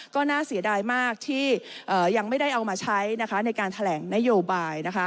ก็น่าเสียดายมากที่ยังไม่ได้เอามาใช้ในการแถลงนโยบาย